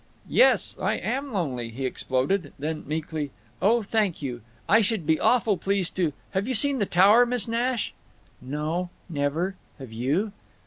"Yes, I am lonely!" he exploded. Then, meekly: "Oh, thank you! I sh'd be awful pleased to…. Have you seen the Tower, Miss Nash?" "No. Never. Have you?"